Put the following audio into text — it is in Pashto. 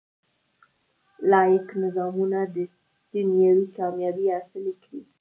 لاییک نظامونه دنیوي کامیابۍ حاصلې کړي.